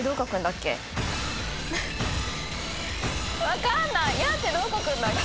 分かんない！